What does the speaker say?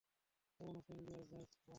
কেমন আছো ইন্ডিয়ার জেমস বন্ড?